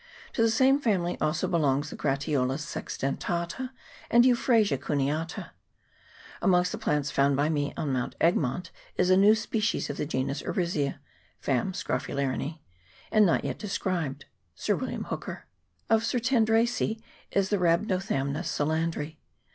To the same family also belong the Gratiola sexdentata and Euphrasia cuneata. Amongst the plants found by me on Mount Egmont is a new species of the genus Ourisia (fam. Scrophularinese), not yet described (Sir William Hooker). Of Cyrtandracece, is the Rhabdothamnus Solandri.